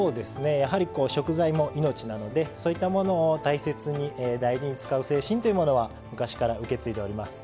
やはり食材も命なのでそういったものを大切に大事に使う精神というものは昔から受け継いでおります。